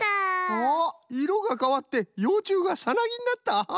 あっいろがかわってようちゅうがサナギになった。